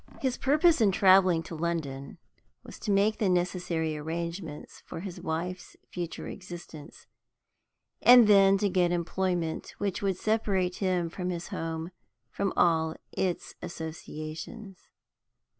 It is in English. His purpose in traveling to London was to make the necessary arrangements for his wife's future existence, and then to get employment which would separate him from his home and from all its associations.